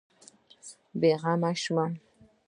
بېغمه شوم.